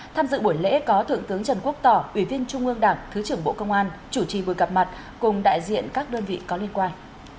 tham dự buổi lễ có thượng tướng trần quốc tỏ ủy viên trung ương đảng thứ trưởng bộ công an chủ trì buổi gặp mặt cùng đại diện các đơn vị có liên quan